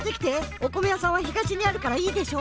おこめやさんは東にあるからいいでしょ？